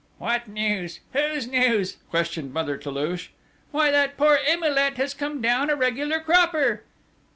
"What news? Whose news?" questioned Mother Toulouche. "Why, that poor Emilet has come down a regular cropper!"